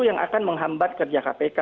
yang akan menghambat kerja kpk